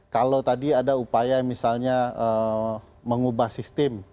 kalau tadi ada upaya misalnya mengubah sistem